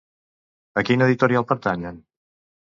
A quina editorial pertanyen?